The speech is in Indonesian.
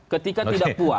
ketika tidak puas